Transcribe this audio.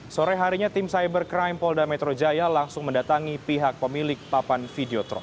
sore harinya tim cybercrime polda metro jaya langsung mendatangi pihak pemilik papan videotron